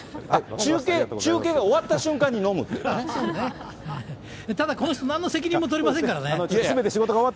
中継、中継が終わった瞬間に飲むただ、この人なんの責任も取れませんからね。